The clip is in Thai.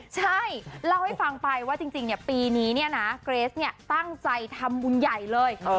ใช่เล่าให้ฟังไปว่าจริงปีนี้เกรสตั้งใจทำบุญใหญ่เลย